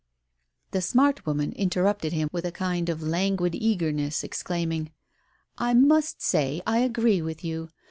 The smart woman interrupted him with a kind of languid eagerness, exclaiming — "I must say I agree with you.